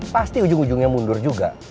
pasti ujung ujungnya mundur juga